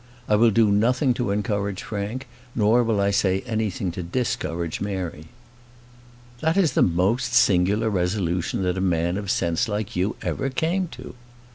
I will do nothing to encourage Frank, nor will I say anything to discourage Mary." "That is the most singular resolution that a man of sense like you ever came to."